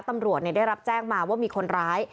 ตำรวจได้รับแจ้งมาว่ามีคนร้าย